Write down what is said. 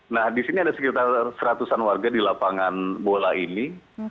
nah di sini ada sekitar seratusan warga di lapangan bola ini